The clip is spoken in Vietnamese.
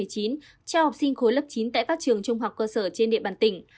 cho học sinh khối lớp chín tại các trường trung học cơ sở trên địa bàn tỉnh